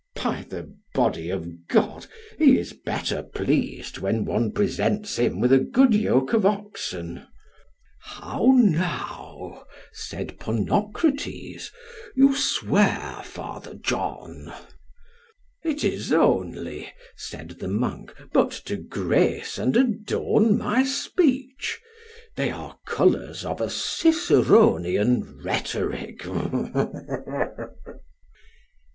By the body of G , he is better pleased when one presents him with a good yoke of oxen. How now, said Ponocrates, you swear, Friar John. It is only, said the monk, but to grace and adorn my speech. They are colours of a Ciceronian rhetoric.